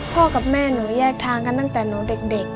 กับแม่หนูแยกทางกันตั้งแต่หนูเด็ก